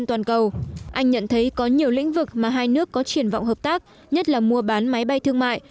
anh nhận thấy có nhiều lĩnh vực mà hai nước có triển vọng hợp tác nhất là mua bán máy bay thương mại